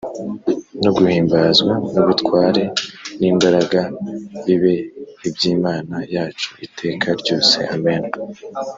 no guhimbazwa n’ubutware n’imbaraga bibe iby’Imana yacu iteka ryose, Amen.”